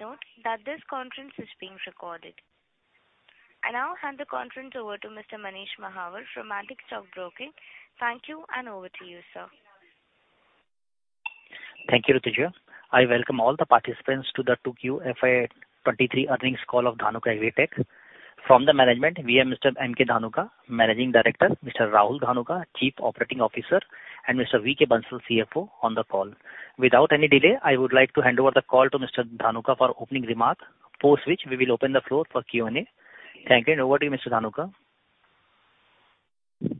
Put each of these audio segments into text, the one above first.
Please note that this conference is being recorded. I now hand the conference over to Mr. Manish Mahawar from Antique Stock Broking. Thank you and over to you, sir. Thank you, Ritija. I welcome all the participants to the 2Q FY 2023 earnings call of Dhanuka Agritech. From the management, we have Mr. M.K. Dhanuka, Managing Director, Mr. Rahul Dhanuka, Chief Operating Officer, and Mr. V.K. Bansal, CFO on the call. Without any delay, I would like to hand over the call to Mr. Dhanuka for opening remarks. For which we will open the floor for Q&A. Thank you, and over to you, Mr. Dhanuka.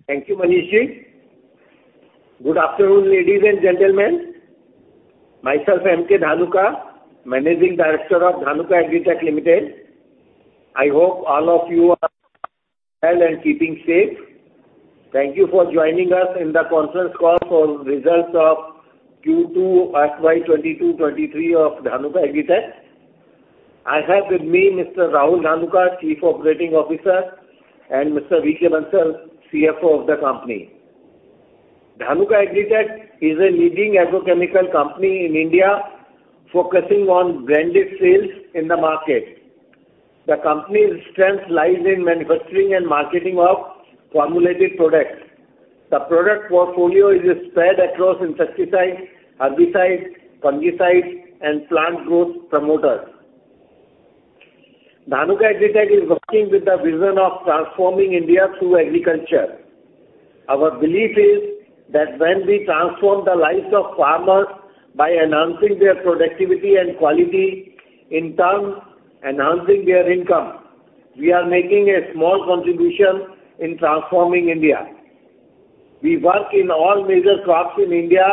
Thank you, Manish. Good afternoon, ladies and gentlemen. Myself M.K. Dhanuka, Managing Director of Dhanuka Agritech Limited. I hope all of you are well and keeping safe. Thank you for joining us in the conference call for results of Q2 FY 2022-23 of Dhanuka Agritech. I have with me Mr. Rahul Dhanuka, Chief Operating Officer, and Mr. V.K. Bansal, CFO of the company. Dhanuka Agritech is a leading agrochemical company in India, focusing on branded sales in the market. The company's strength lies in manufacturing and marketing of formulated products. The product portfolio is spread across insecticides, herbicides, fungicides, and plant growth promoters. Dhanuka Agritech is working with the vision of transforming India through agriculture. Our belief is that when we transform the lives of farmers by enhancing their productivity and quality, in turn enhancing their income, we are making a small contribution in transforming India. We work in all major crops in India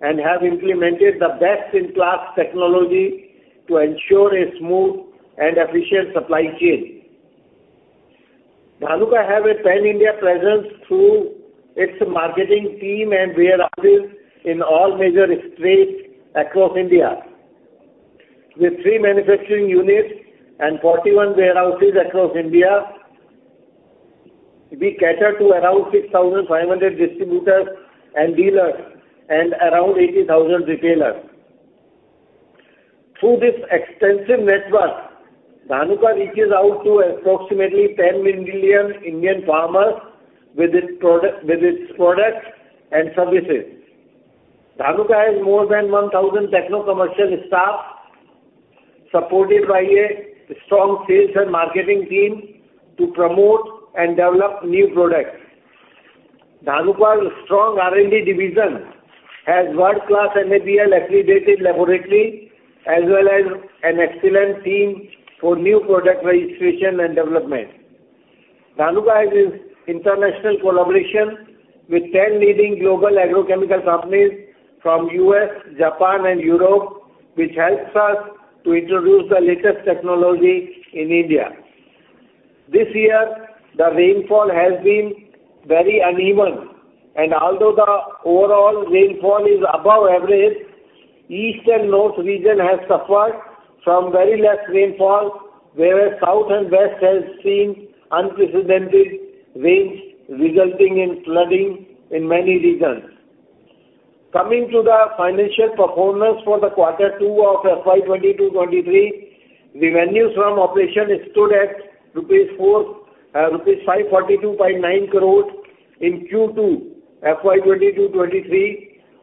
and have implemented the best-in-class technology to ensure a smooth and efficient supply chain. Dhanuka have a pan-India presence through its marketing team and warehouses in all major states across India. With 3 manufacturing units and 41 warehouses across India, we cater to around 6,500 distributors and dealers and around 80,000 retailers. Through this extensive network, Dhanuka reaches out to approximately 10 million Indian farmers with its product, with its products and services. Dhanuka has more than 1,000 technocommercial staff, supported by a strong sales and marketing team to promote and develop new products. Dhanuka's strong R&D division has world-class NABL-accredited laboratory, as well as an excellent team for new product registration and development. Dhanuka has international collaboration with 10 leading global agrochemical companies from U.S., Japan and Europe, which helps us to introduce the latest technology in India. This year, the rainfall has been very uneven, and although the overall rainfall is above average, east and north region has suffered from very less rainfall, whereas south and west has seen unprecedented rains, resulting in flooding in many regions. Coming to the financial performance for quarter two of FY 2022-23, the revenues from operation stood at 542.9 crore rupees in Q2 FY 2022-23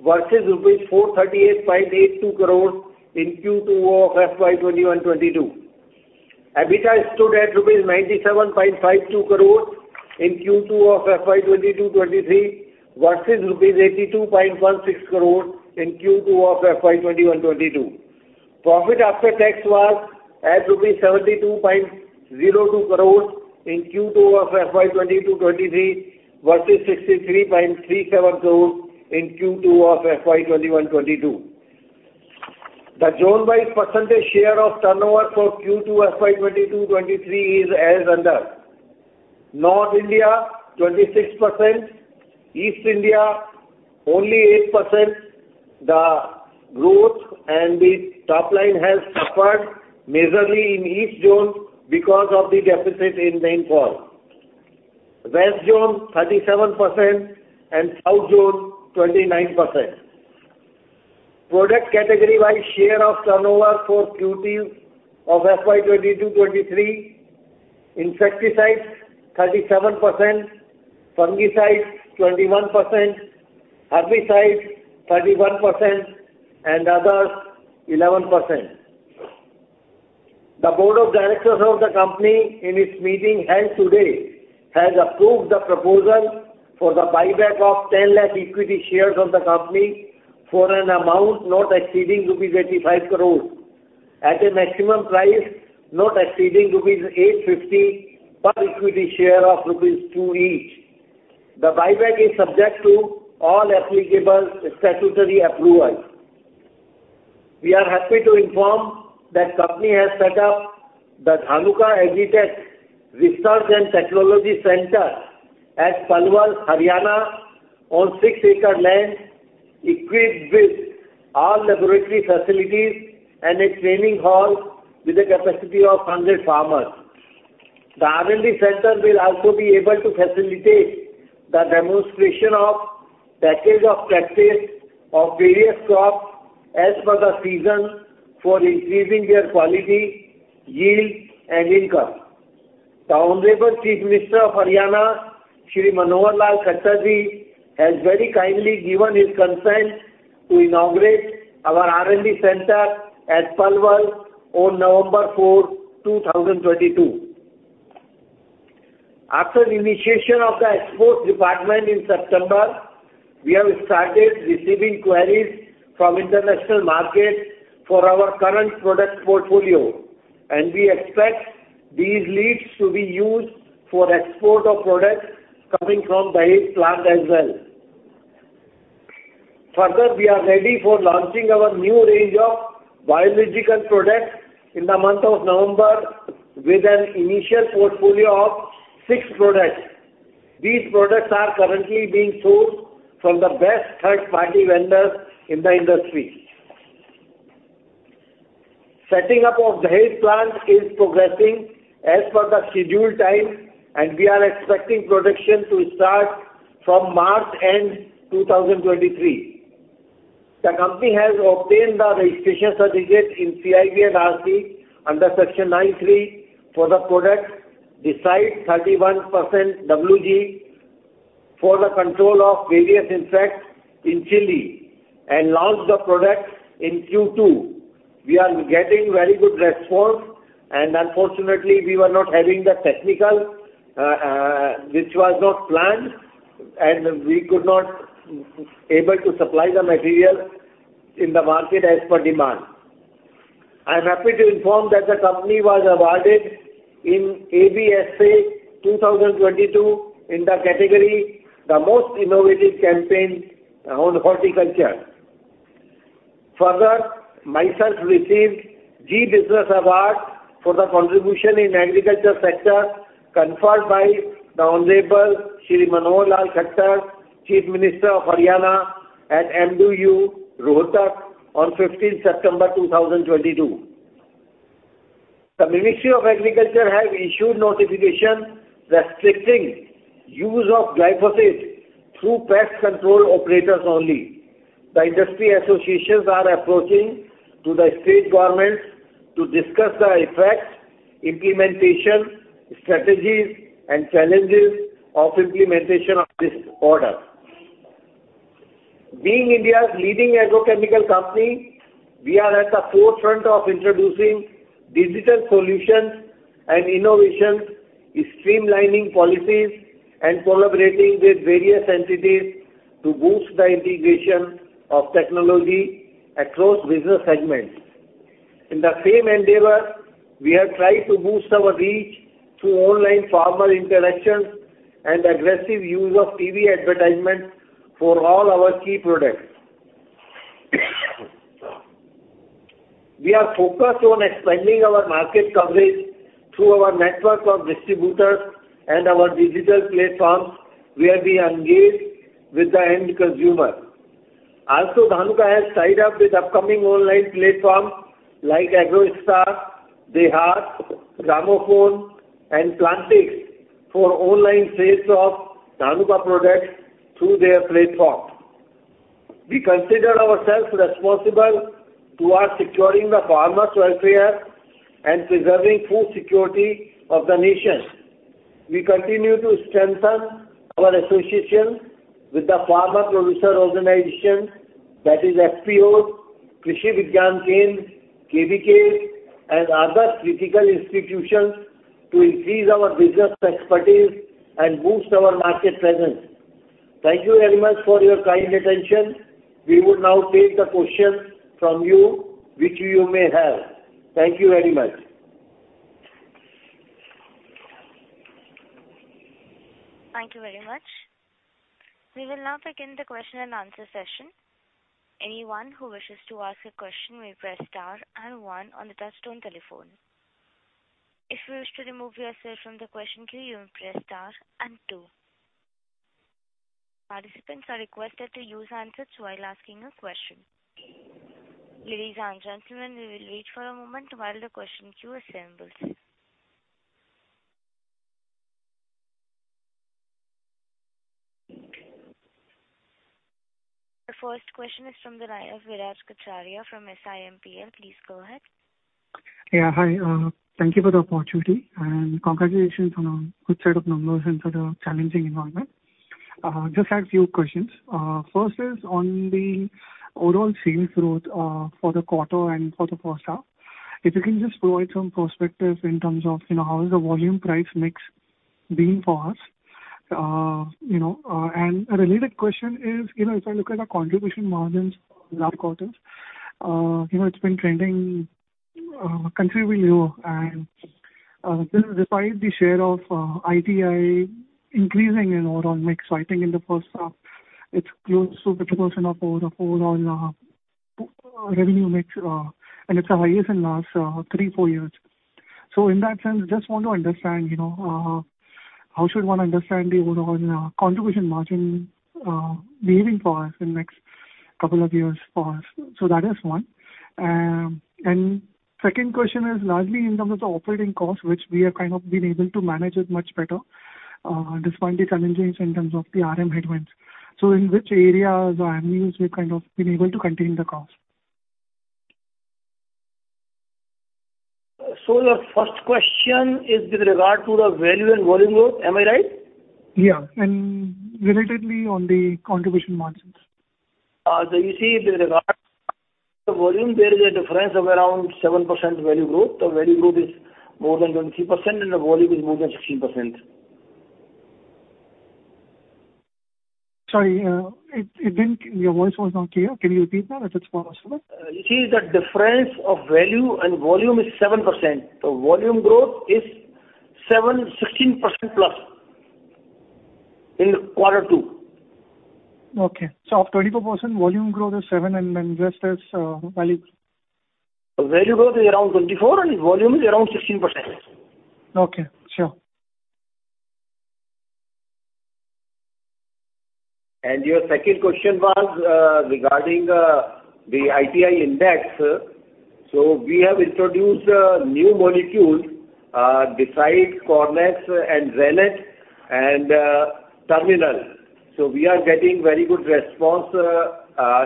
versus 438.82 crore rupees in Q2 of FY 2021-2022. EBITDA stood at 97.52 crore rupees in Q2 of FY 2022-2023 versus 82.16 crore rupees in Q2 of FY 2021-2022. Profit after tax was at rupees 72.02 crore in Q2 of FY 2022-2023 versus 63.37 crore in Q2 of FY 2021-2022. The zone-wise percentage share of turnover for Q2 FY 2022-23 is as under. North India, 26%. East India, only 8%. The growth and the top line has suffered majorly in each zone because of the deficit in rainfall. West zone, 37% and south zone, 29%. Product category-wise share of turnover for Q2 of FY 2022-2023. Insecticides, 37%, fungicides, 21%, herbicides, 31%, and others, 11%. The Board of Directors of the company in its meeting held today has approved the proposal for the buyback of 10 lakh equity shares of the company for an amount not exceeding rupees 85 crores at a maximum price not exceeding rupees 850 per equity share of rupees 2 each. The buyback is subject to all applicable statutory approvals. We are happy to inform that company has set up the Dhanuka Agritech Research & Technology Center at Palwal, Haryana on 6-acre land equipped with all laboratory facilities and a training hall with a capacity of 100 farmers. The R&D center will also be able to facilitate the demonstration of package of practice of various crops as per the season for increasing their quality, yield, and income. The Honorable Chief Minister of Haryana, Shri Manohar Lal Khattar Ji, has very kindly given his consent to inaugurate our R&D center at Palwal on November 4th, 2022. After the initiation of the export department in September, we have started receiving queries from international markets for our current product portfolio, and we expect these leads to be used for export of products coming from the Dahej plant as well. Further, we are ready for launching our new range of biological products in the month of November with an initial portfolio of six products. These products are currently being sourced from the best third-party vendors in the industry. Setting up of Dahej plant is progressing as per the scheduled time, and we are expecting production to start from March end 2023. The company has obtained the registration certificate in CIB&RC under Section 9(3) for the product Decide 31% WG for the control of various insects in chilli and launched the product in Q2. We are getting very good response, and unfortunately, we were not having the technical, which was not planned, and we could not able to supply the material in the market as per demand. I'm happy to inform that the company was awarded in ABSA 2022 in the category The Most Innovative Campaign on Horticulture. Further, myself received Zee Business Award for the contribution in agriculture sector, conferred by the Honorable Shri Manohar Lal Khattar, Chief Minister of Haryana, at MDU, Rohtak, on 15th September 2022. The Ministry of Agriculture has issued notification restricting use of glyphosate through pest control operators only. The industry associations are approaching to the state governments to discuss the effects, implementation, strategies, and challenges of implementation of this order. Being India's leading agrochemical company, we are at the forefront of introducing digital solutions and innovations, streamlining policies, and collaborating with various entities to boost the integration of technology across business segments. In the same endeavor, we have tried to boost our reach through online farmer interactions and aggressive use of TV advertisements for all our key products. We are focused on expanding our market coverage through our network of distributors and our digital platforms, where we engage with the end consumer. Also, Dhanuka has tied up with upcoming online platforms like AgroStar, DeHaat, Gramophone, and Plantix for online sales of Dhanuka products through their platform. We consider ourselves responsible towards securing the farmer's welfare and preserving food security of the nation. We continue to strengthen our association with the Farmer Producer Organization, that is FPOs, Krishi Vigyan Kendras, KVKs, and other critical institutions to increase our business expertise and boost our market presence. Thank you very much for your kind attention. We would now take the questions from you which you may have. Thank you very much. Thank you very much. We will now begin the question-and-answer session. Anyone who wishes to ask a question may press star and one on the touch-tone telephone. If you wish to remove yourself from the question queue, you may press star and two. Participants are requested to use handsets while asking a question. Ladies and gentlemen, we will wait for a moment while the question queue assembles. The first question is from the line of Viraj Kacharia from SiMPL. Please go ahead. Yeah. Hi, thank you for the opportunity, and congratulations on a good set of numbers in the challenging environment. Just had few questions. First is on the overall sales growth, for the quarter and for the first half. If you can just provide some perspective in terms of, you know, how is the volume price mix being for us? You know, and a related question is, you know, if I look at the contribution margins last quarters, you know, it's been trending considerably lower and, this despite the share of ITI increasing in overall mix. I think in the first half, it's close to 50% of overall revenue mix, and it's the highest in last 3-4 years. In that sense, just want to understand, you know, how should one understand the overall contribution margin behaving for us in next couple of years for us? That is one. Second question is largely in terms of operating costs, which we have kind of been able to manage it much better, despite the challenges in terms of the RM headwinds. In which areas or avenues we've kind of been able to contain the costs? Your first question is with regard to the value and volume growth. Am I right? Yeah. Relatedly on the contribution margins. You see with regard the volume, there is a difference of around 7% value growth. The value growth is more than 23% and the volume is more than 16%. Sorry, it didn't. Your voice was not clear. Can you repeat that if it's possible? You see the difference of value and volume is 7%. The volume growth is 16%+ in quarter two. Okay. Of 24%, volume growth is 7%, and then rest is value. The value growth is around 24%, and volume is around 16%. Okay. Sure. Your second question was regarding the ITI index. We have introduced a new molecule besides Cornex and Zanet and Terminal. We are getting very good response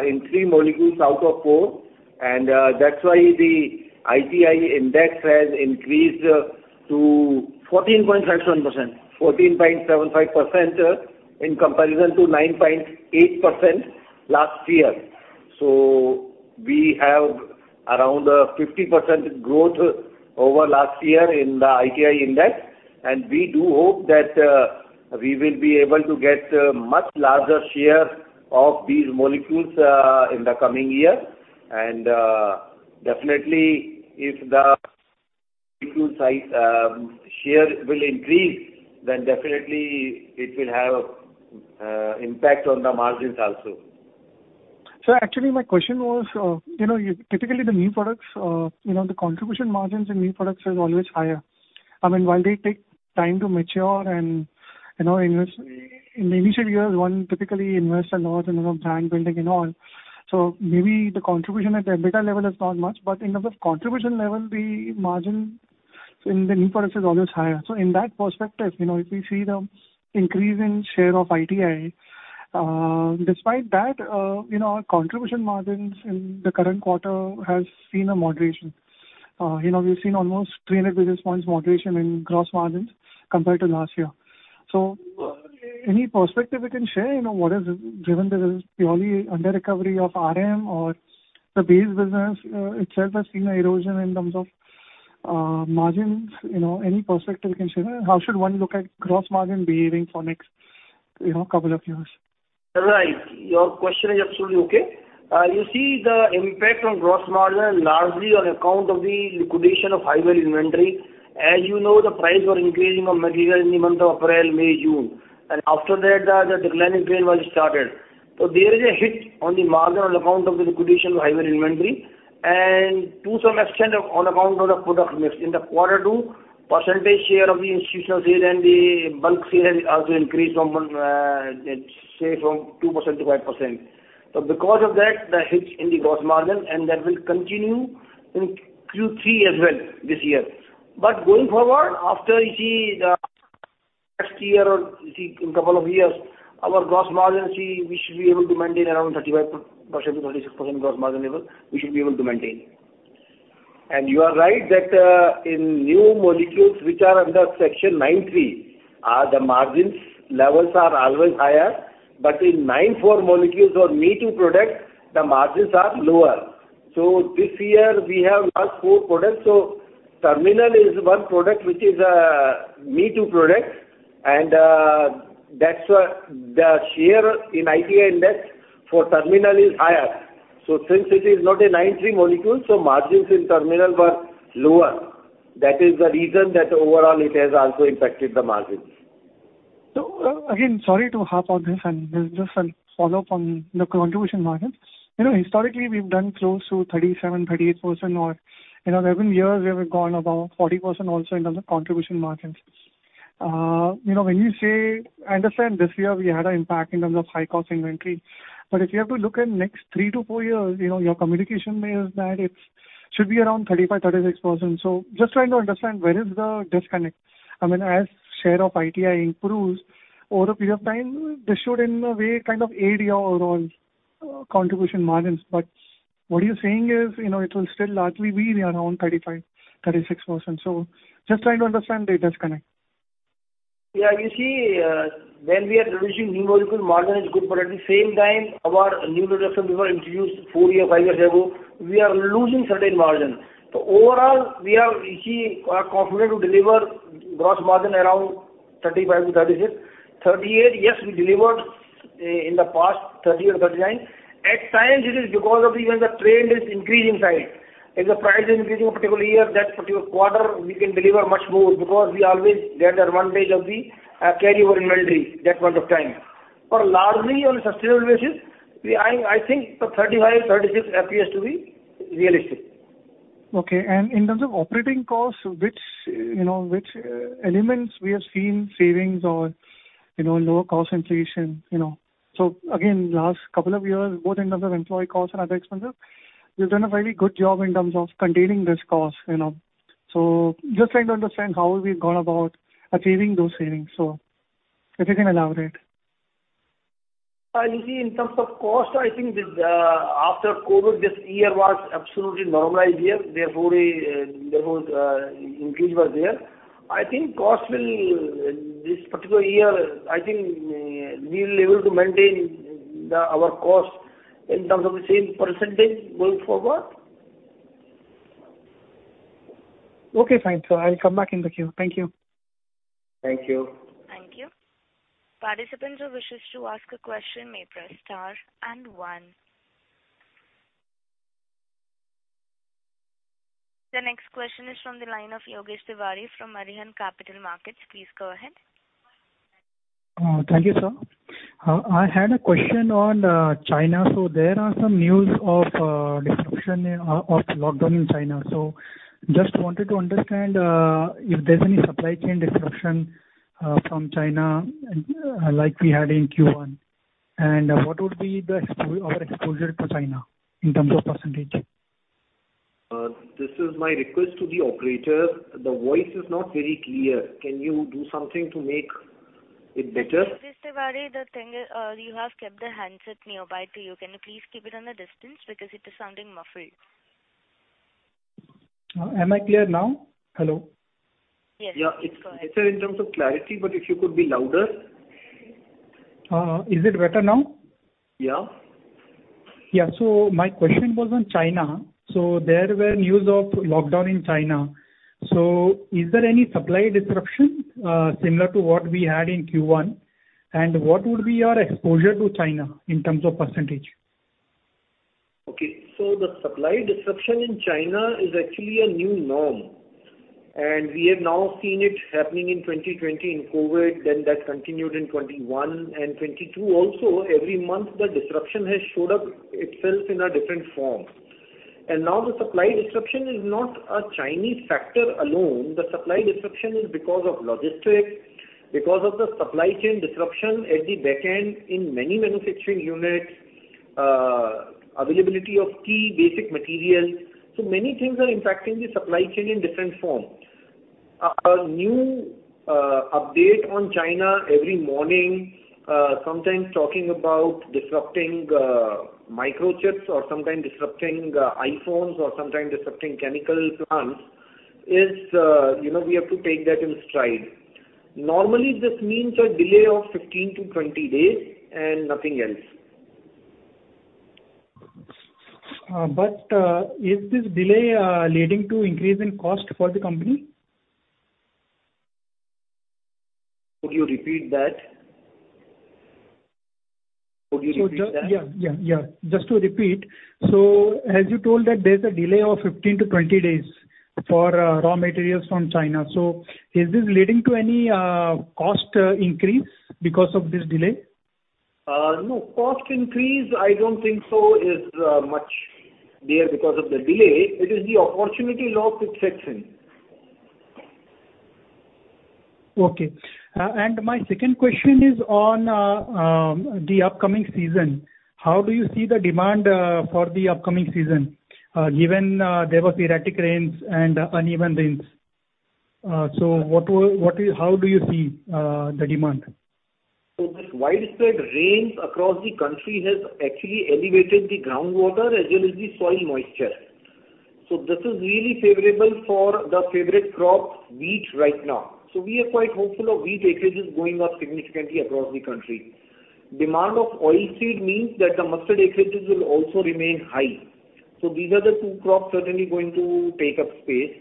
in three molecules out of four. That's why the ITI index has increased to- Fourteen point five seven percent. 14.75%, in comparison to 9.8% last year. We have around 50% growth over last year in the innovation turnover index, and we do hope that we will be able to get a much larger share of these molecules in the coming year. Definitely if the size share will increase, then definitely it will have impact on the margins also. Actually my question was, you know, typically the new products, you know, the contribution margins in new products is always higher. I mean, while they take time to mature and, you know, invest in the initial years, one typically invest a lot in, you know, brand building and all. Maybe the contribution at the EBITDA level is not much, but in terms of contribution level, the margin in the new products is always higher. In that perspective, you know, if we see the increase in share of ITI, despite that, you know, our contribution margins in the current quarter has seen a moderation. You know, we've seen almost 300 basis points moderation in gross margins compared to last year. Any perspective you can share, you know, what is? Given this is purely under recovery of RM or the base business itself has seen an erosion in terms of margins, you know, any perspective you can share? How should one look at gross margin behaving for next, you know, couple of years? Right. Your question is absolutely okay. You see the impact on gross margin largely on account of the liquidation of high value inventory. As you know, the price was increasing on material in the month of April, May, June. After that, the declining trend was started. There is a hit on the margin on account of the liquidation of high value inventory. To some extent of on account of the product mix. In the quarter two, percentage share of the institutional sales and the bulk sales has also increased from, say from 2%-5%. Because of that hits in the gross margin, and that will continue in Q3 as well this year. Going forward, after you see the next year or, you know, in couple of years, our gross margin, see, we should be able to maintain around 35%-36% gross margin level, we should be able to maintain. You are right that in new molecules which are under Section 9(3), the margin levels are always higher. In Section 9(4) molecules or me-too product, the margins are lower. This year we have lost 4 products. Terminal is one product which is a me-too product, and that's why the share in ITI index for Terminal is higher. Since it is not a Section 9(3) molecule, margins in Terminal were lower. That is the reason that overall it has also impacted the margins. Again, sorry to harp on this, and this is just a follow-up on the contribution margin. You know, historically, we've done close to 37-38% or, you know, there have been years where we've gone above 40% also in terms of contribution margins. You know, when you say, I understand this year we had an impact in terms of high-cost inventory. If you have to look at next 3-4 years, you know, your communication is that it's should be around 35%-36%. Just trying to understand where is the disconnect. I mean, as share of ITI improves over a period of time, this should in a way kind of aid your overall contribution margins. But what you're saying is, you know, it will still largely be around 35%-36%. Just trying to understand the disconnect. Yeah, you see, when we are introducing new molecule, margin is good, but at the same time, our new introduction we were introduced 4 years, 5 years ago, we are losing certain margin. Overall, we are, you see, confident to deliver gross margin around 35%-36%. 38%, yes, we delivered in the past 30% or 39%. At times it is because of the when the trend is increasing side. If the price is increasing a particular year, that particular quarter we can deliver much more because we always get the advantage of the carryover inventory that point of time. But largely on a sustainable basis, we I think the 35, 36 appears to be realistic. Okay. In terms of operating costs, which, you know, elements we are seeing savings or, you know, lower cost inflation, you know. Again, last couple of years, both in terms of employee costs and other expenses, you've done a very good job in terms of containing this cost, you know. Just trying to understand how we've gone about achieving those savings. If you can elaborate. You see, in terms of cost, I think, after COVID, this year was an absolutely normalized year. Therefore, an increase was there. I think, this particular year, we'll be able to maintain our cost in terms of the same percentage going forward. Okay, fine. I'll come back in the queue. Thank you. Thank you. Thank you. Participants who wishes to ask a question may press star and one. The next question is from the line of Yogesh Tiwari from Arihant Capital Markets. Please go ahead. Thank you, sir. I had a question on China. There are some news of disruption due to lockdown in China. Just wanted to understand if there's any supply chain disruption from China and like we had in Q1, and what would be the exposure to China in terms of percentage? This is my request to the operator. The voice is not very clear. Can you do something to make it better? Mr. Tiwari, the thing is, you have kept the handset nearby to you. Can you please keep it on a distance? Because it is sounding muffled. Am I clear now? Hello. Yes. Yeah. It's better in terms of clarity, but if you could be louder. Is it better now? Yeah. Yeah. My question was on China. There were news of lockdown in China. Is there any supply disruption similar to what we had in Q1? What would be your exposure to China in terms of percentage? Okay, the supply disruption in China is actually a new norm, and we have now seen it happening in 2020 in COVID. That continued in 2021 and 2022 also. Every month the disruption has showed up itself in a different form. Now the supply disruption is not a Chinese factor alone. The supply disruption is because of logistics, because of the supply chain disruption at the back end in many manufacturing units, availability of key basic materials. Many things are impacting the supply chain in different forms. A new update on China every morning, sometimes talking about disrupting microchips or sometimes disrupting iPhones or sometimes disrupting chemical plants is, you know, we have to take that in stride. Normally, this means a delay of 15-20 days and nothing else. Is this delay leading to increase in cost for the company? Could you repeat that? Just to repeat, as you told that there's a delay of 15-20 days for raw materials from China, so is this leading to any cost increase because of this delay? No. Cost increase, I don't think so is much there because of the delay. It is the opportunity loss it sets in. Okay. My second question is on the upcoming season. How do you see the demand for the upcoming season, given there was erratic rains and uneven rains? How do you see the demand? This widespread rains across the country has actually elevated the groundwater as well as the soil moisture. This is really favorable for the favorite crop, wheat right now. We are quite hopeful of wheat acreages going up significantly across the country. Demand of oilseed means that the mustard acreages will also remain high. These are the two crops certainly going to take up space.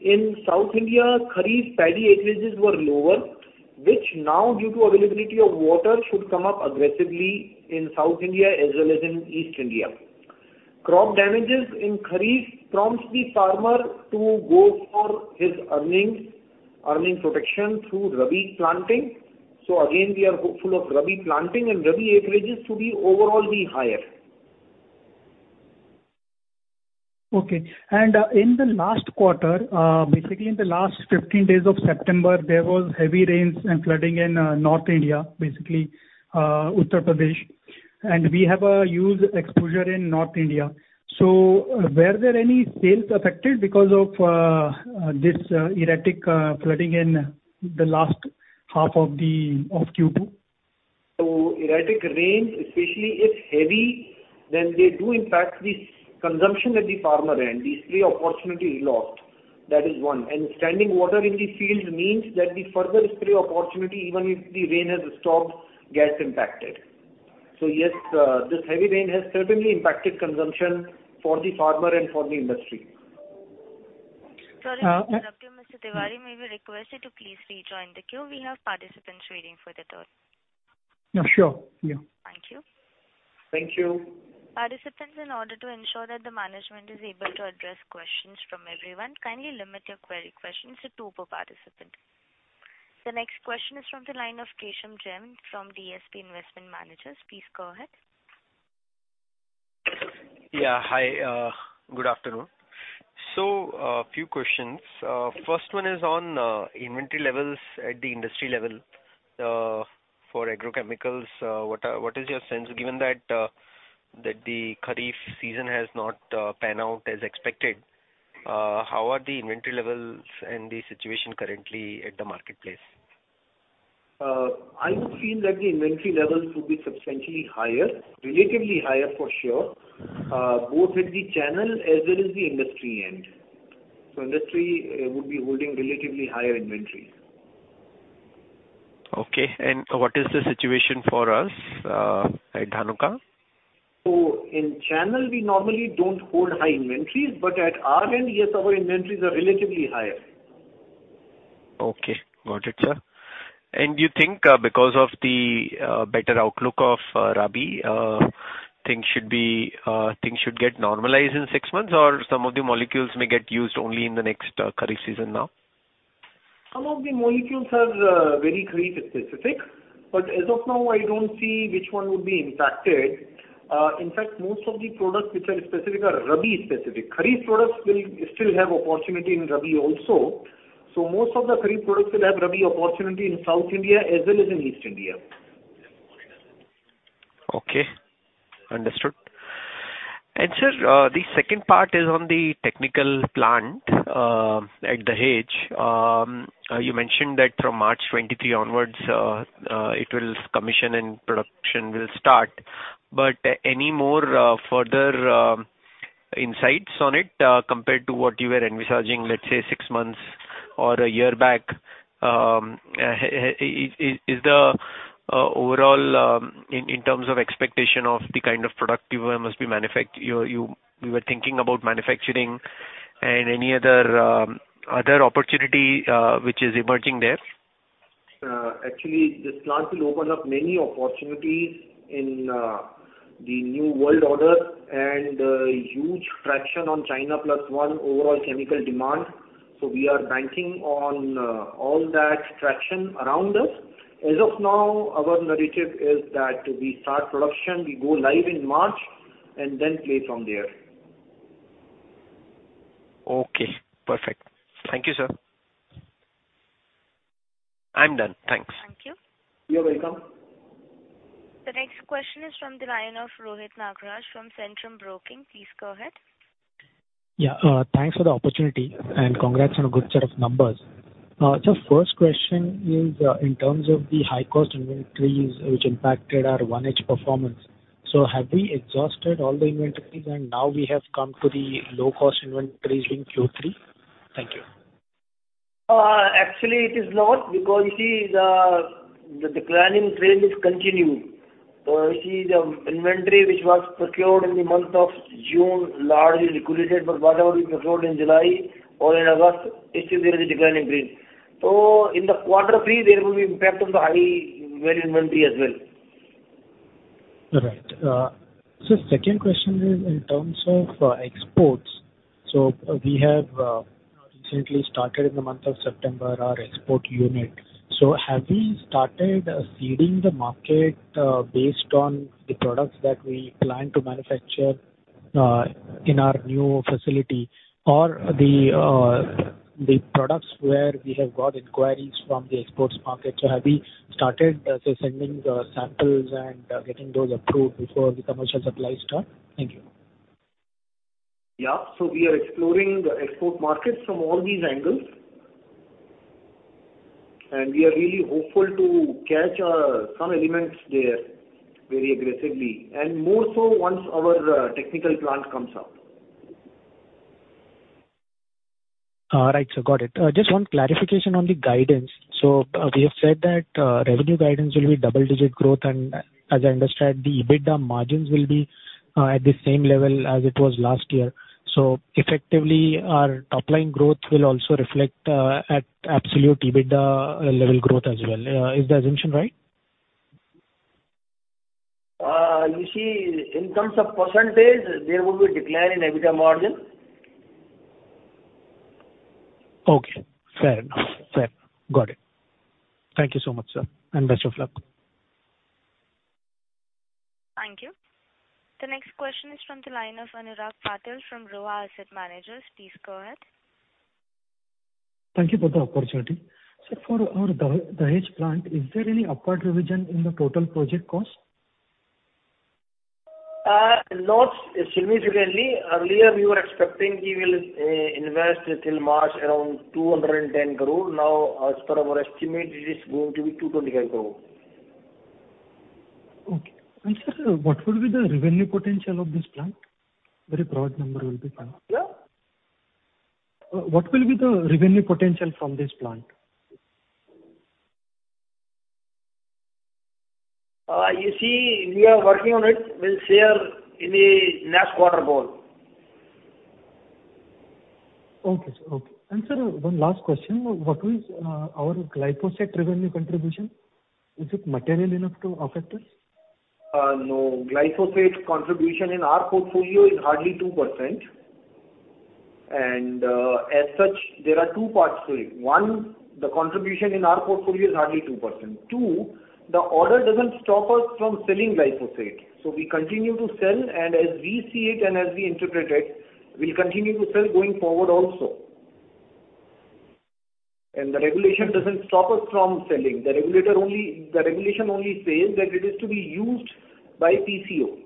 In South India, Kharif paddy acreages were lower, which now due to availability of water, should come up aggressively in South India as well as in East India. Crop damages in Kharif prompts the farmer to go for his earnings protection through Rabi planting. We are hopeful of Rabi planting and Rabi acreages to be overall higher. Okay. In the last quarter, basically in the last 15 days of September, there was heavy rains and flooding in North India, basically, Uttar Pradesh. We have a huge exposure in North India. Were there any sales affected because of this erratic flooding in the last half of Q2? Erratic rains, especially if heavy, then they do impact the consumption at the farmer end. The spray opportunity is lost. That is one. Standing water in the fields means that the further spray opportunity, even if the rain has stopped, gets impacted. Yes, this heavy rain has certainly impacted consumption for the farmer and for the industry. Sorry to interrupt you, Mr. Tiwari. May we request you to please rejoin the queue? We have participants waiting for their turn. Yeah, sure. Yeah. Thank you. Thank you. Participants, in order to ensure that the management is able to address questions from everyone, kindly limit your query questions to two per participant. The next question is from the line of Keshav Garg from DSP Investment Managers. Please go ahead. Yeah. Hi, good afternoon. A few questions. First one is on inventory levels at the industry level for agrochemicals. What is your sense, given that the Kharif season has not pan out as expected, how are the inventory levels and the situation currently at the marketplace? I would feel that the inventory levels will be substantially higher, relatively higher for sure, both at the channel as well as the industry end. Industry would be holding relatively higher inventory. Okay. What is the situation for us at Dhanuka? In channel we normally don't hold high inventories, but at our end, yes, our inventories are relatively higher. Okay. Got it, sir. You think, because of the better outlook of Rabi, things should get normalized in six months or some of the molecules may get used only in the next Kharif season now? Some of the molecules are very Kharif specific, but as of now, I don't see which one would be impacted. In fact, most of the products which are specific are Rabi specific. Kharif products will still have opportunity in Rabi also. Most of the Kharif products will have Rabi opportunity in South India as well as in East India. Okay. Understood. Sir, the second part is on the technical plant at Dahej. You mentioned that from March 2023 onwards, it will commission and production will start. Any more further insights on it compared to what you were envisaging, let's say 6 months or a year back, is the overall in terms of expectation of the kind of product you were thinking about manufacturing and any other opportunity which is emerging there? Actually this plant will open up many opportunities in the new world order and huge traction on China Plus One overall chemical demand. We are banking on all that traction around us. As of now, our narrative is that we start production, we go live in March and then play from there. Okay. Perfect. Thank you, sir. I'm done. Thanks. Thank you. You're welcome. The next question is from the line of Rohit Nagraj from Centrum Broking. Please go ahead. Yeah. Thanks for the opportunity and congrats on a good set of numbers. Just first question is, in terms of the high cost inventories which impacted our 1H performance. Have we exhausted all the inventories and now we have come to the low cost inventories in Q3? Thank you. Actually it is not because you see the declining trend is continuing. You see the inventory which was procured in the month of June, largely liquidated, but whatever we procured in July or in August, it still there is a declining trend. In the quarter three there will be impact of the high inventory as well. All right. Second question is in terms of exports. We have recently started in the month of September our export unit. Have we started seeding the market based on the products that we plan to manufacture in our new facility or the products where we have got inquiries from the export market? Have we started say sending the samples and getting those approved before the commercial supply start? Thank you. We are exploring the export markets from all these angles. We are really hopeful to catch some elements there very aggressively and more so once our technical plant comes up. All right, sir. Got it. Just one clarification on the guidance. We have said that revenue guidance will be double digit growth and as I understand the EBITDA margins will be at the same level as it was last year. Effectively our top line growth will also reflect at absolute EBITDA level growth as well. Is the assumption right? You see in terms of percentage there will be a decline in EBITDA margin. Okay. Fair enough. Got it. Thank you so much, sir, and best of luck. Thank you. The next question is from the line of Anurag Patil from Roha Asset Managers. Please go ahead. Thank you for the opportunity. Sir, for our Dahej plant, is there any upward revision in the total project cost? Not significantly. Earlier we were expecting we will invest till March around 210 crore. Now, as per our estimate it is going to be 225 crore. Okay. Sir, what will be the revenue potential of this plant? Very broad number will be fine. Yeah. What will be the revenue potential from this plant? You see we are working on it. We'll share in the next quarter call. Okay, sir. Okay. Sir, one last question. What is our glyphosate revenue contribution? Is it material enough to affect us? No. Glyphosate contribution in our portfolio is hardly 2%. As such, there are two parts to it. One, the contribution in our portfolio is hardly 2%. Two, the order doesn't stop us from selling glyphosate, so we continue to sell, and as we see it, and as we interpret it, we'll continue to sell going forward also. The regulation doesn't stop us from selling. The regulation only says that it is to be used by PCO.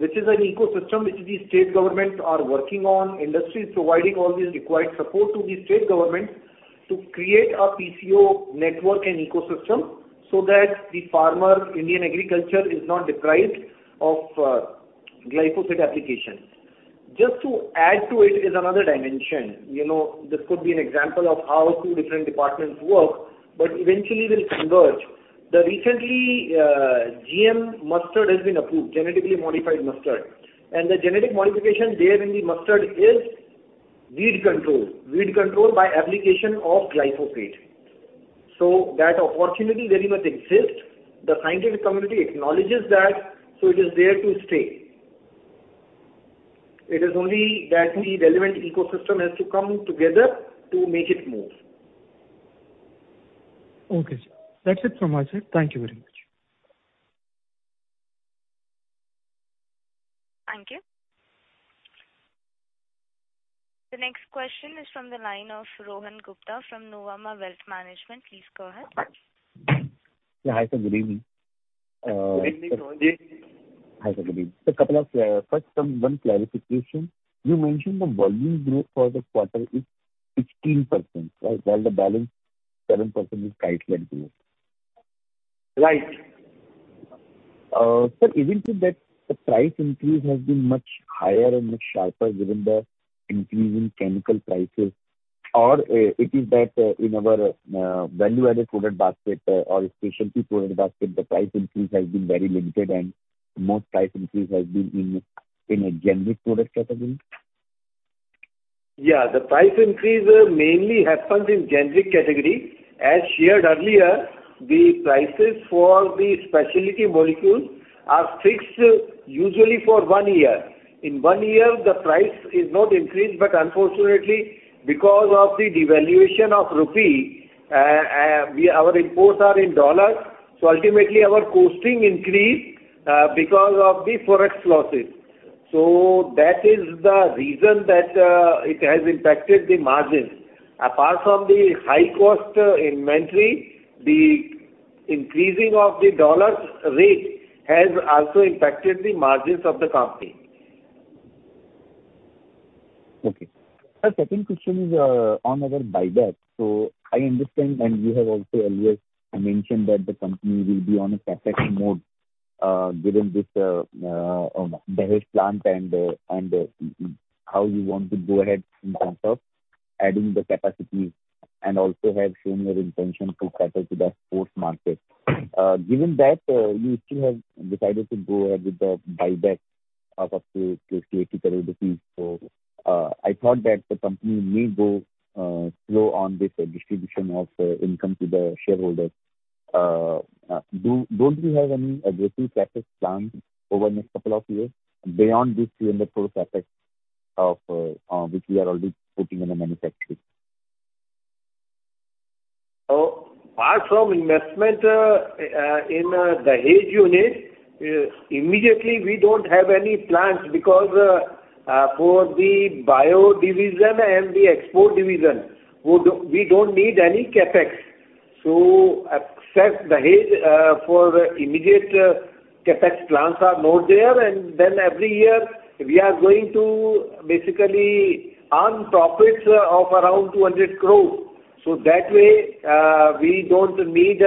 This is an ecosystem which the state government are working on, industry is providing all the required support to the state government to create a PCO network and ecosystem so that the farmer, Indian agriculture is not deprived of glyphosate application. Just to add to it is another dimension. You know, this could be an example of how two different departments work, but eventually will converge. The recently, GM mustard has been approved, genetically modified mustard, and the genetic modification there in the mustard is weed control. Weed control by application of glyphosate. So that opportunity very much exists. The scientific community acknowledges that, so it is there to stay. It is only that the relevant ecosystem has to come together to make it move. Okay, sir. That's it from my side. Thank you very much. Thank you. The next question is from the line of Rohan Gupta from Nuvama Wealth Management. Please go ahead. Yeah. Hi, sir. Good evening. Good evening, Rohanji. Hi, sir. Good evening. Sir, first, one clarification. You mentioned the volume growth for the quarter is 16%, right? While the balance 7% is price-led growth. Right. Sir, is it that the price increase has been much higher and much sharper given the increase in chemical prices? Or, it is that, in our value-added product basket or specialty product basket, the price increase has been very limited and most price increase has been in a generic product category? Yeah. The price increase mainly happens in generic category. As shared earlier, the prices for the specialty molecules are fixed usually for one year. In one year, the price is not increased, but unfortunately, because of the devaluation of rupee, our imports are in dollars, so ultimately our costing increased because of the Forex losses. That is the reason that it has impacted the margins. Apart from the high cost inventory, the increasing of the dollar rate has also impacted the margins of the company. Okay. Sir, second question is on our buyback. I understand, and you have also earlier mentioned that the company will be on a CapEx mode, given this Dahej plant and how you want to go ahead in terms of adding the capacity and also have shown your intention to cater to the sports market. Given that, you still have decided to go ahead with the buyback of up to 38 crore rupees. I thought that the company may go slow on this distribution of income to the shareholders. Don't you have any aggressive CapEx plans over the next couple of years beyond this 300 crore CapEx which we are already putting in the manufacturing? Apart from investment in Dahej unit, immediately we don't have any plans because for the bio division and the export division, we don't need any CapEx. Except Dahej, for immediate CapEx plans are not there. Every year we are going to basically earn profits of around 200 crores. That way, we don't need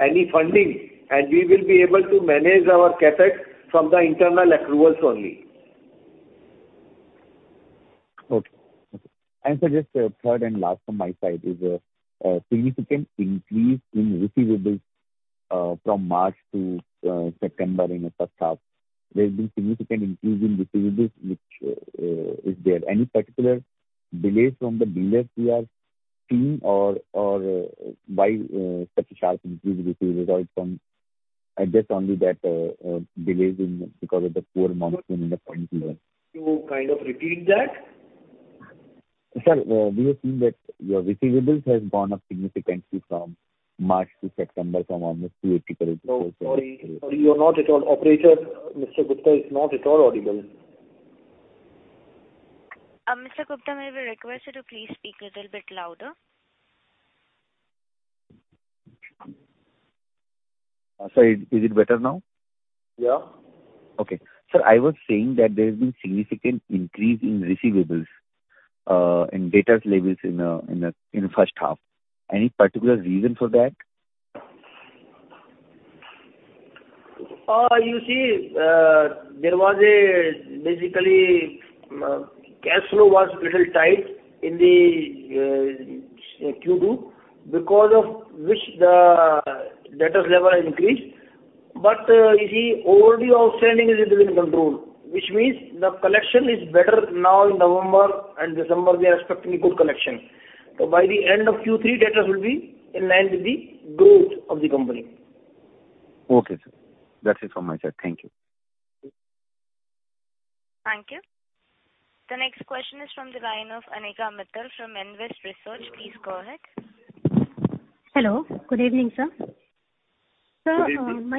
any funding, and we will be able to manage our CapEx from the internal accruals only. Okay. Sir, just third and last from my side is significant increase in receivables from March to September in the first half. There's been significant increase in receivables, which is there any particular delays from the dealers we are seeing or why such a sharp increase in receivables or it's from I guess only that delays because of the poor monsoon in the current year. To kind of repeat that. Sir, we have seen that your receivables has gone up significantly from March to September from almost INR 280 crore. Sorry. Operator, Mr. Gupta is not at all audible. Mr. Gupta, may I request you to please speak a little bit louder? Sir, is it better now? Yeah. Okay. Sir, I was saying that there has been significant increase in receivables in debtors levels in first half. Any particular reason for that? You see, there was basically cash flow was little tight in the Q2 because of which the debtors level increased. You see all the outstanding is within control, which means the collection is better now in November and December we are expecting a good collection. By the end of Q3, debtors will be in line with the growth of the company. Okay, sir. That's it from my side. Thank you. Thank you. The next question is from the line of Anika Mittal from Invest Research. Please go ahead. Hello. Good evening, sir. Good evening.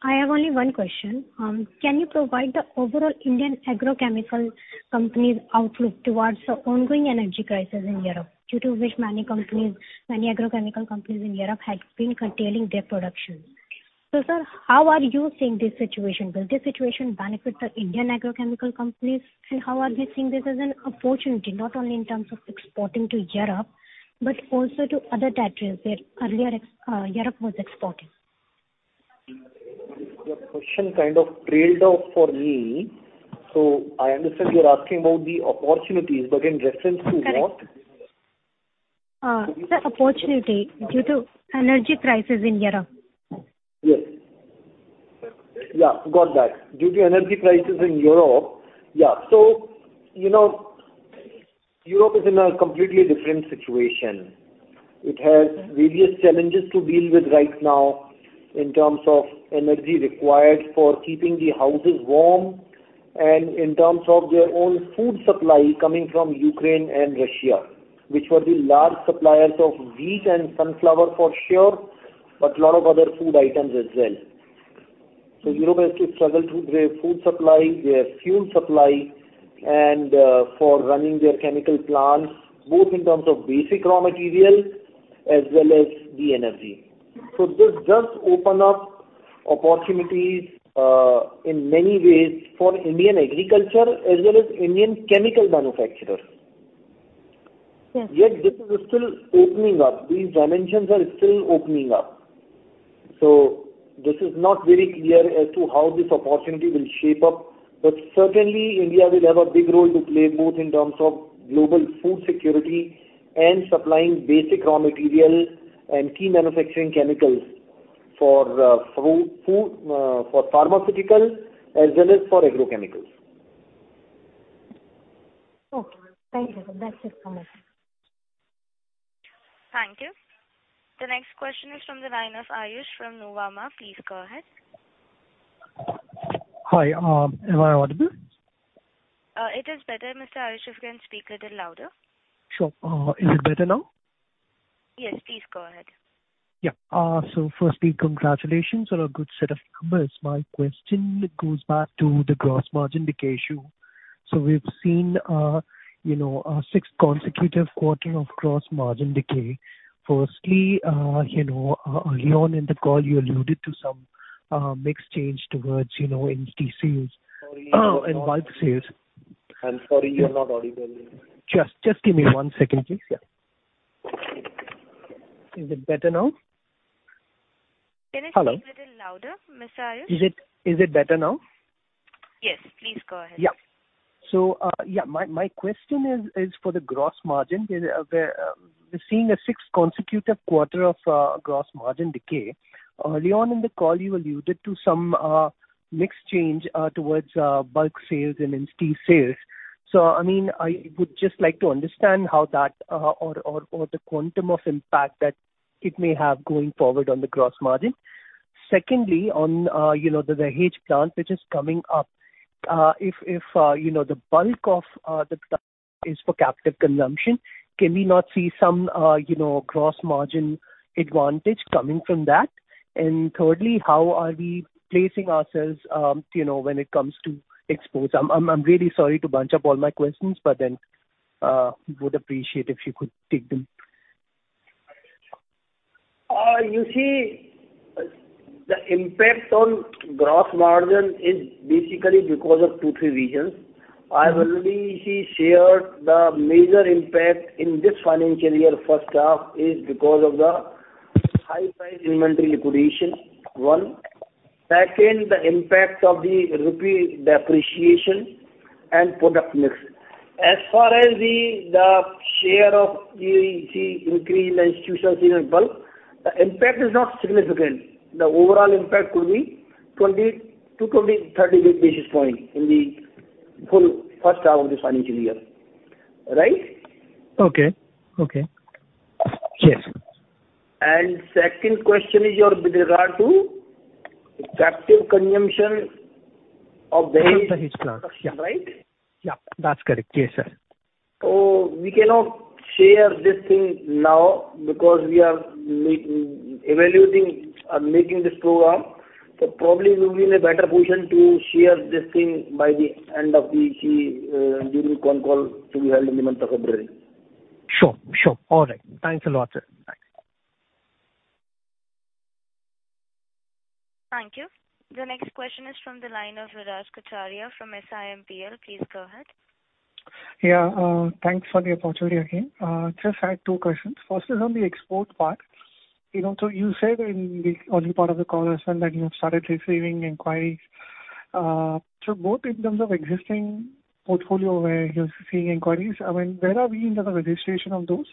I have only one question. Can you provide the overall Indian agrochemical company's outlook towards the ongoing energy crisis in Europe, due to which many agrochemical companies in Europe had been curtailing their production. Sir, how are you seeing this situation? Will this situation benefit the Indian agrochemical companies, and how are we seeing this as an opportunity, not only in terms of exporting to Europe, but also to other territories where earlier Europe was exporting? Your question kind of trailed off for me. I understand you're asking about the opportunities, but in reference to what? Correct. The opportunity due to energy prices in Europe. Yes. Yeah, got that. Due to energy prices in Europe. Yeah. You know, Europe is in a completely different situation. It has various challenges to deal with right now in terms of energy required for keeping the houses warm and in terms of their own food supply coming from Ukraine and Russia, which were the large suppliers of wheat and sunflower for sure, but a lot of other food items as well. Europe has to struggle through their food supply, their fuel supply and for running their chemical plants, both in terms of basic raw material as well as the energy. This does open up opportunities in many ways for Indian agriculture as well as Indian chemical manufacturers. Yeah. Yet this is still opening up. These dimensions are still opening up. This is not very clear as to how this opportunity will shape up. Certainly India will have a big role to play, both in terms of global food security and supplying basic raw material and key manufacturing chemicals for food for pharmaceutical as well as for agrochemicals. Okay. Thank you, sir. That's it from my side. Thank you. The next question is from the line of Ayush from Nuvama. Please go ahead. Hi. Am I audible? It is better, Mr. Ayush, if you can speak a little louder. Sure. Is it better now? Yes, please go ahead. Yeah. Firstly, congratulations on a good set of numbers. My question goes back to the gross margin decay issue. We've seen sixth consecutive quarter of gross margin decay. Firstly, early on in the call you alluded to some mixed change towards in STCs. Sorry. Oh, in bulk sales. I'm sorry you're not audible. Just give me one second, please. Yeah. Is it better now? Hello. Can you speak a little louder, Mr. Ayush? Is it better now? Yes. Please go ahead. My question is for the gross margin. We're seeing a sixth consecutive quarter of gross margin decay. Early on in the call you alluded to some mix change towards bulk sales and institutional sales. I mean, I would just like to understand how that or the quantum of impact that it may have going forward on the gross margin. Secondly, on the Raichur plant which is coming up, if the bulk of the plant is for captive consumption, can we not see some gross margin advantage coming from that? Thirdly, how are we placing ourselves when it comes to exports? I'm really sorry to bunch up all my questions, but would appreciate if you could take them. You see, the impact on gross margin is basically because of two, three reasons. I've already shared the major impact in this financial year first half is because of the high price inventory liquidation, one. Second, the impact of the rupee depreciation and product mix. As far as the share of the increase in institutional sales and bulk, the impact is not significant. The overall impact could be 20-30 basis points in the full first half of this financial year. Right? Okay. Yes. Second question is regarding captive consumption of the Rabi- Of the Dahej plant. Yeah. Right? Yeah, that's correct. Yes, sir. We cannot share this thing now because we are evaluating and making this program. Probably we'll be in a better position to share this thing by the end of the June con call to be held in the month of February. Sure, sure. All right. Thanks a lot, sir. Bye. Thank you. The next question is from the line of Viraj Kacharia from SiMPL. Please go ahead. Thanks for the opportunity again. Just had two questions. First is on the export part. You know, so you said in the early part of the call, sir, that you have started receiving inquiries. So both in terms of existing portfolio where you're seeing inquiries, I mean, where are we in the registration of those?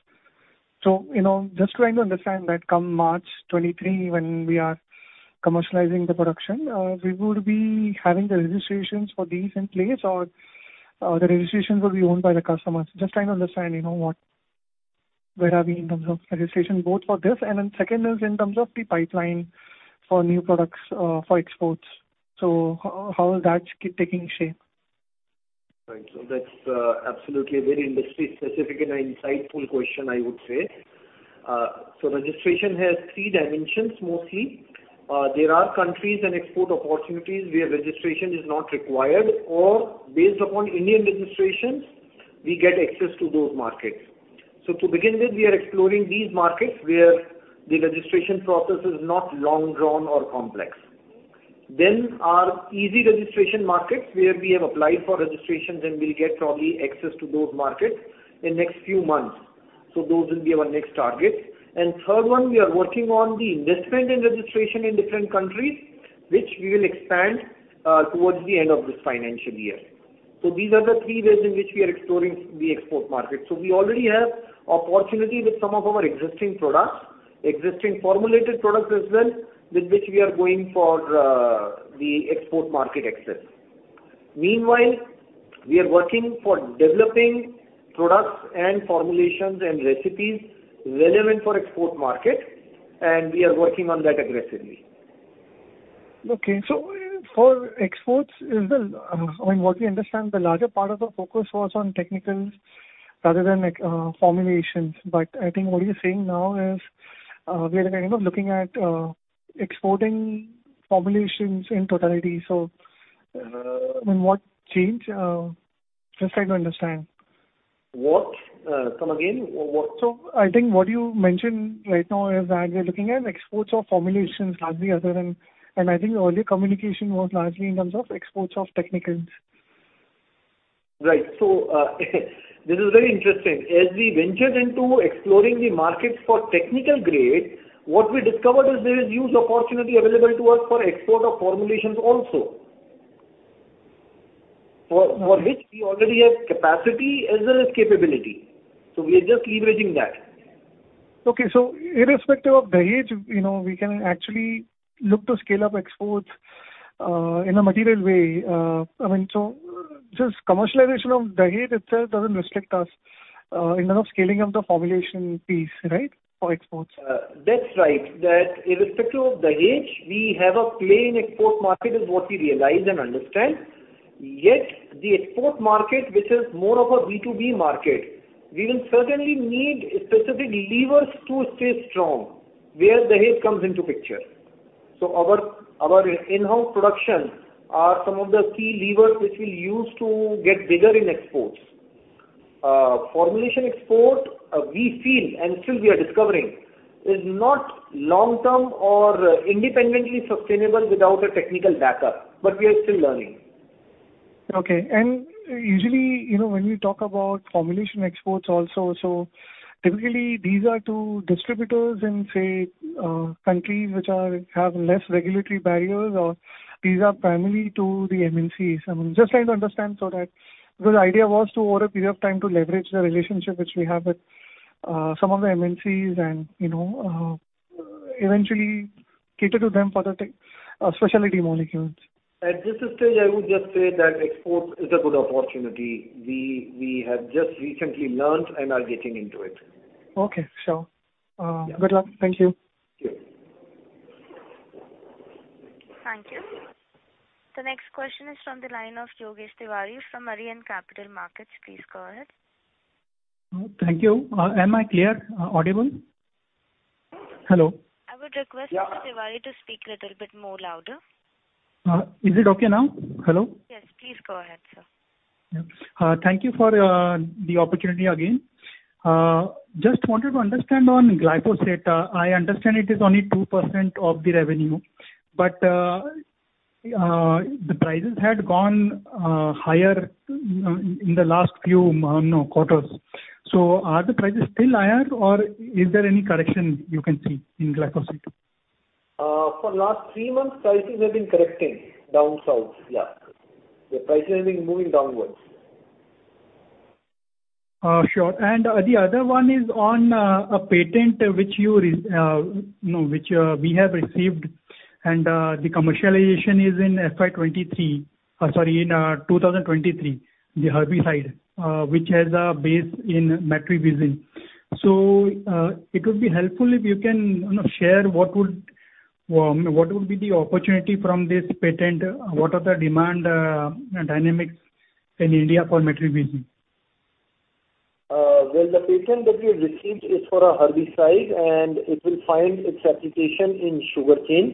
You know, just trying to understand that come March 2023 when we are commercializing the production, we would be having the registrations for these in place or the registrations will be owned by the customers. Just trying to understand, you know, where are we in terms of registration both for this. Then second is in terms of the pipeline for new products for exports. How is that taking shape? Right. That's absolutely a very industry-specific and insightful question, I would say. Registration has three dimensions mostly. There are countries and export opportunities where registration is not required or based upon Indian registrations, we get access to those markets. To begin with, we are exploring these markets where the registration process is not long-drawn or complex. Our easy registration markets where we have applied for registrations, and we'll get probably access to those markets in next few months. Those will be our next targets. Third one, we are working on the investment and registration in different countries, which we will expand towards the end of this financial year. These are the three ways in which we are exploring the export market. We already have opportunity with some of our existing products, existing formulated products as well, with which we are going for the export market access. Meanwhile, we are working for developing products and formulations and recipes relevant for export market, and we are working on that aggressively. Okay. For exports, I mean, what we understand, the larger part of the focus was on technicals rather than like, formulations. I think what you're saying now is, we are kind of looking at exporting formulations in totality, so, I mean, what changed? Just trying to understand. What? Come again? What? I think what you mentioned right now is that we're looking at exports of formulations largely other than. I think earlier communication was largely in terms of exports of technicals. Right. This is very interesting. As we ventured into exploring the markets for technical grade, what we discovered is there is huge opportunity available to us for export of formulations also. For which we already have capacity as well as capability. We are just leveraging that. Okay. Irrespective of the AI, you know, we can actually look to scale up exports in a material way. I mean, just commercialization of the AI itself doesn't restrict us in terms of scaling up the formulation piece, right, for exports? That's right. That irrespective of the AI, we have a play in export market is what we realized and understand. Yet the export market, which is more of a B2B market, we will certainly need specific levers to stay strong where the AI comes into picture. Our in-house production are some of the key levers which we'll use to get bigger in exports. Formulation export, we feel, and still we are discovering, is not long-term or independently sustainable without a technical backup. We are still learning. Okay. Usually, you know, when we talk about formulation exports also, typically these are to distributors in, say, countries which have less regulatory barriers or these are primarily to the MNCs. I mean, just trying to understand so that. Because the idea was to, over a period of time, to leverage the relationship which we have with some of the MNCs and, you know, eventually cater to them for the tech specialty molecules. At this stage, I would just say that export is a good opportunity. We have just recently learned and are getting into it. Okay. Sure. Yeah. Good luck. Thank you. Thank you. Thank you. The next question is from the line of Yogesh Tiwari from Arihant Capital Markets. Please go ahead. Thank you. Am I clear, audible? Hello. I would request Mr. Tiwari to speak little bit more louder. Is it okay now? Hello. Yes. Please go ahead, sir. Yeah. Thank you for the opportunity again. Just wanted to understand on glyphosate. I understand it is only 2% of the revenue, but the prices had gone higher in the last few quarters. Are the prices still higher, or is there any correction you can see in glyphosate? For last three months prices have been correcting down south, yeah. The prices have been moving downwards. Sure. The other one is on a patent which we have received and the commercialization is in 2023, the herbicide which has a base in metribuzin. It would be helpful if you can, you know, share what would be the opportunity from this patent. What are the demand dynamics in India for metribuzin? The patent that we have received is for a herbicide, and it will find its application in sugarcane.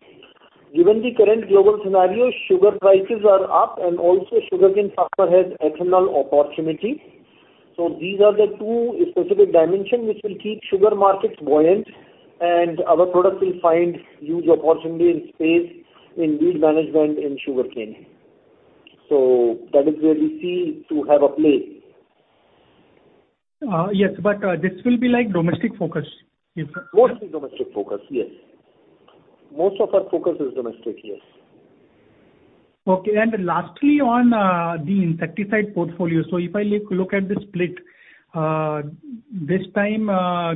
Given the current global scenario, sugar prices are up, and also sugarcane farmer has external opportunity. These are the two specific dimension which will keep sugar markets buoyant, and our product will find huge opportunity in space in weed management in sugarcane. That is where we see to have a play. Yes, but this will be like domestic focus. Yes, sir. Mostly domestic focus, yes. Most of our focus is domestic, yes. Okay. Lastly, on the insecticide portfolio. If I look at the split, this time,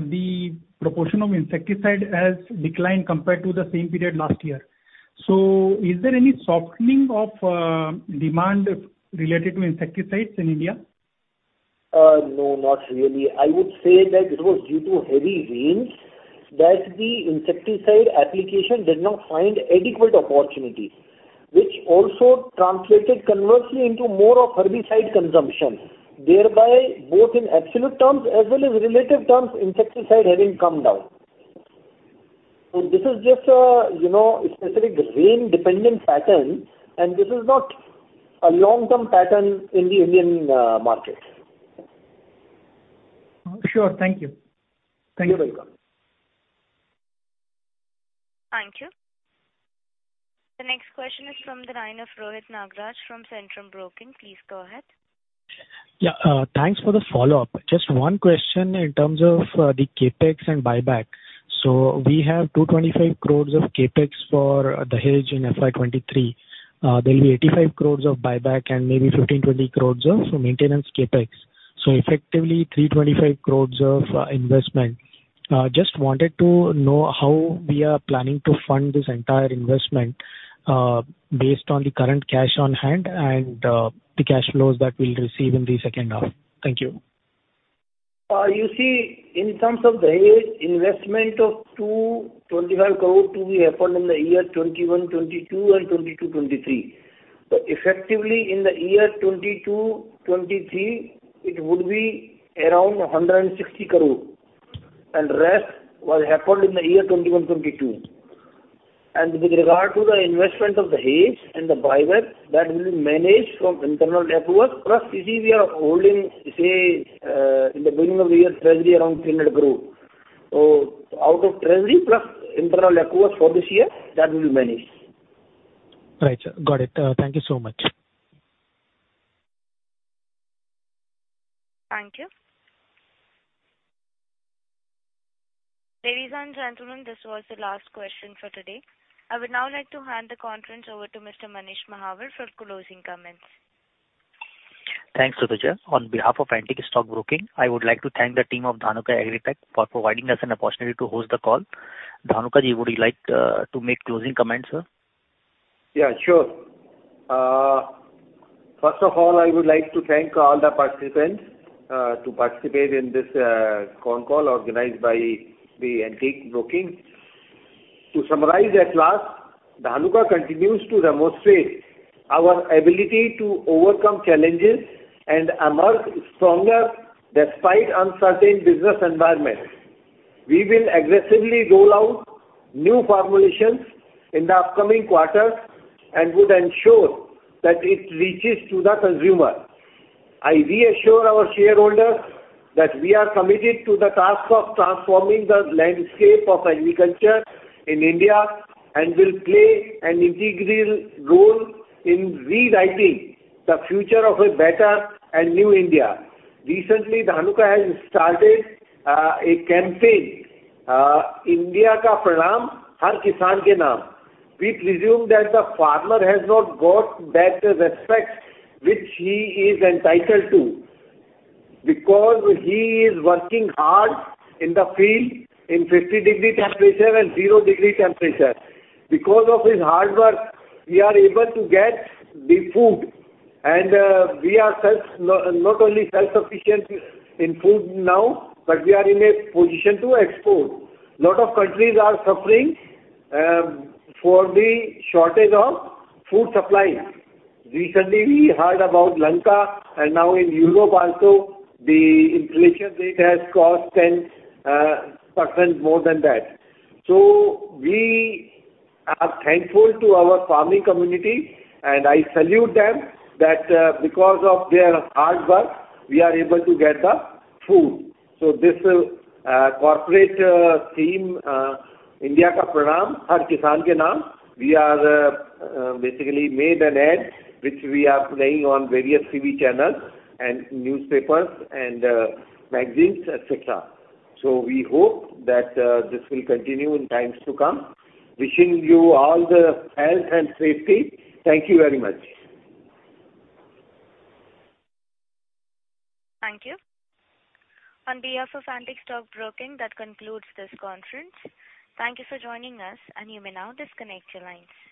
the proportion of insecticide has declined compared to the same period last year. Is there any softening of demand related to insecticides in India? No, not really. I would say that it was due to heavy rains that the insecticide application did not find adequate opportunities, which also translated conversely into more of herbicide consumption, thereby both in absolute terms as well as relative terms, insecticide having come down. This is just a, you know, specific rain-dependent pattern, and this is not a long-term pattern in the Indian market. Sure. Thank you. You're welcome. Thank you. The next question is from the line of Rohit Nagraj from Centrum Broking. Please go ahead. Yeah. Thanks for the follow-up. Just one question in terms of the CapEx and buyback. We have 225 crore of CapEx for the Dahej in FY 2023. There'll be 85 crore of buyback and maybe 15-20 crore of maintenance CapEx. Effectively 325 crore of investment. Just wanted to know how we are planning to fund this entire investment based on the current cash on hand and the cash flows that we'll receive in the second half. Thank you. You see, in terms of the Dahej, investment of 225 crore to be happened in the year 2021-2022 and 2022-2023. Effectively in the year 2022-2023, it would be around 160 crore, and rest was happened in the year 2021-2022. With regard to the investment of the Dahej and the buyback, that will be managed from internal funds, plus you see we are holding, say, in the beginning of the year, treasury around 300 crore. Out of treasury plus internal funds for this year, that will manage. Right. Got it. Thank you so much. Thank you. Ladies and gentlemen, this was the last question for today. I would now like to hand the conference over to Mr. Manish Mahawar for closing comments. Thanks, Sujata. On behalf of Antique Stock Broking, I would like to thank the team of Dhanuka Agritech for providing us an opportunity to host the call. Dhanuka, would you like to make closing comments, sir? Yeah, sure. First of all, I would like to thank all the participants to participate in this conference call organized by the Antique Stock Broking. To summarize at last, Dhanuka continues to demonstrate our ability to overcome challenges and emerge stronger despite uncertain business environments. We will aggressively roll out new formulations in the upcoming quarters and would ensure that it reaches to the consumer. I reassure our shareholders that we are committed to the task of transforming the landscape of agriculture in India and will play an integral role in rewriting the future of a better and new India. Recently, Dhanuka has started a campaign, India Ka Pranam Har Kisan Ke Naam. We presume that the farmer has not got that respect which he is entitled to because he is working hard in the field in 50-degree temperature and zero-degree temperature. Because of his hard work, we are able to get the food and we are not only self-sufficient in food now, but we are in a position to export. A lot of countries are suffering for the shortage of food supply. Recently, we heard about Lanka and now in Europe also the inflation rate has crossed 10% more than that. We are thankful to our farming community, and I salute them that because of their hard work, we are able to get the food. This corporate theme, India Ka Pranam Har Kisan Ke Naam, we basically made an ad which we are playing on various TV channels and newspapers and magazines, et cetera. We hope that this will continue in times to come. Wishing you all the health and safety. Thank you very much. Thank you. On behalf of Antique Stock Broking, that concludes this conference. Thank you for joining us, and you may now disconnect your lines.